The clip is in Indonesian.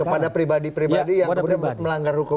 kepada pribadi pribadi yang melanggar hukum itu ya